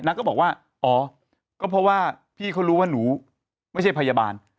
ก็บอกว่าอ๋อก็เพราะว่าพี่เขารู้ว่าหนูไม่ใช่พยาบาล